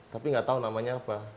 tapi gak tau namanya apa